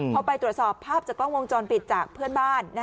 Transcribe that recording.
พอไปตรวจสอบภาพจากกล้องวงจรปิดจากเพื่อนบ้าน